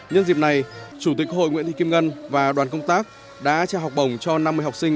nhân dịp này chủ tịch hội nguyễn thị kim ngân và đoàn công tác đã trao học bổng cho năm mươi học sinh